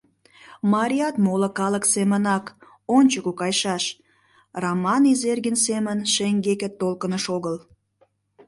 Марият, моло калык семынак, ончыко кайышаш, Раман Изергин семын шеҥгеке толкыныш огыл...»